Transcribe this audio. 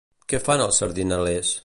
Què fan els sardinalers?